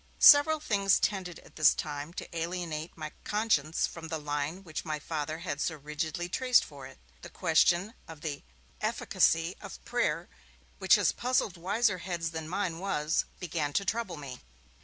Several things tended at this time to alienate my conscience from the line which my Father had so rigidly traced for it. The question of the efficacy of prayer, which has puzzled wiser heads than mine was, began to trouble me.